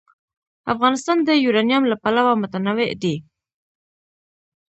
افغانستان د یورانیم له پلوه متنوع دی.